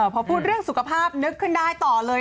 พอพูดเรื่องสุขภาพนึกขึ้นได้ต่อเลย